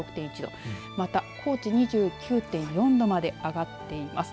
また高知２９．４度まで上がっています。